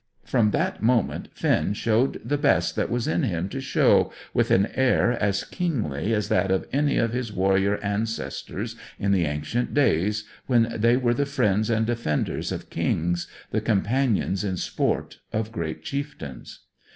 From that moment Finn showed the best that was in him to show, with an air as kingly as that of any of his warrior ancestors in the ancient days when they were the friends and defenders of kings, the companions in sport of great chieftains.